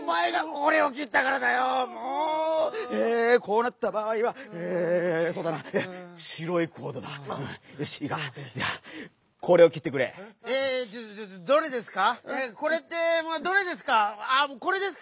「これ」ってどれですか？